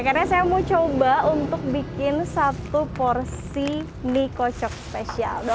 karena saya mau coba untuk bikin satu porsi mie kocok spesial